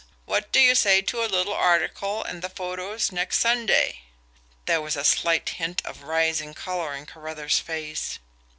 What do you say to a little article and the photos next Sunday?" There was a slight hint of rising colour in Carruthers' face.